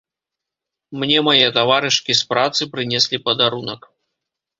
Мне мае таварышкі з працы прынеслі падарунак.